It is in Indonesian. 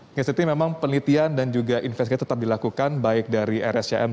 oke memang penelitian dan juga investigasi tetap dilakukan baik dari rscm